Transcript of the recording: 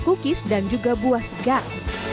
kukis dan juga buah segar